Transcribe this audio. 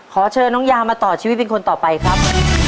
ขอเชิญน้องยามาต่อชีวิตเป็นคนต่อไปครับ